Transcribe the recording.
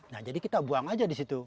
nah jadi kita buang aja di situ